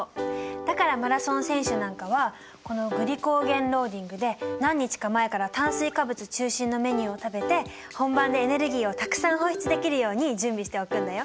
だからマラソン選手なんかはこのグリコーゲン・ローディングで何日か前から炭水化物中心のメニューを食べて本番でエネルギーをたくさん放出できるように準備しておくんだよ。